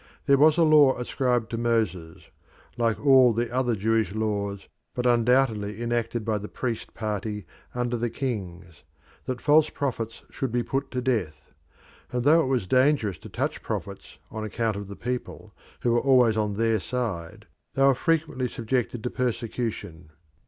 There was a law ascribed to Moses like all the other Jewish laws, but undoubtedly enacted by the priest party under the kings that false prophets should be put to death; and though it was dangerous to touch prophets on account of the people, who were always on their side, they were frequently subjected to persecution.